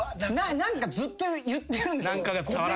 何かずっと言ってるんですよ。